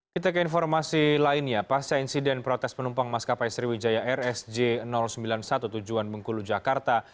kita ke informasi lainnya pasca insiden protes penumpang maskapai sriwijaya rsj sembilan puluh satu tujuan bengkulu jakarta